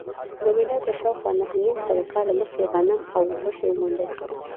له میلاده شاوخوا نهه نیم سوه کاله مخکې غنم او اوربشې وموندل شول